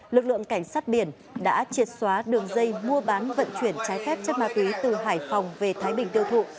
lực lượng cảnh sát biển đã triệt xóa đường dây mua bán vận chuyển trái phép chất ma túy từ hải phòng về thái bình tiêu thụ